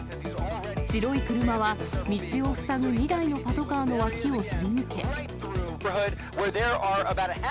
白い車は道を塞ぐ２台のパトカーの脇をすり抜け。